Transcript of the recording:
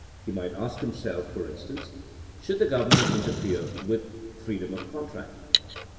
He might ask himself, for instance, Should the Government interfere with freedom of contract?''